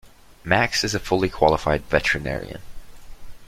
Max is a fully qualified veterinarian.